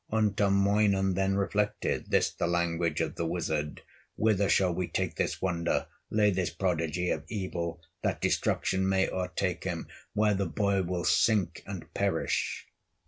Untamoinen then reflected, This the language of the wizard: "Whither shall we take this wonder, Lay this prodigy of evil, That destruction may o'ertake him, Where the boy will sink and perish?"